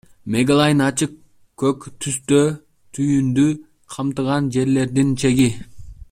Мегалайн –ачык көк түстө, түйүндү камтыган жерлердин чеги.